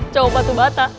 cowok batu bata